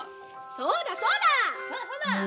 そうだそうだ！